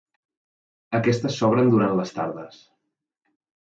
Aquestes s'obren durant les tardes.